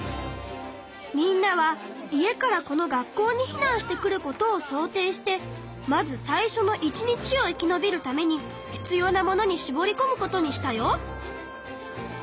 みんなは家からこの学校に避難してくることを想定してまず最初の１日を生きのびるために必要なものにしぼりこむことにしたよ。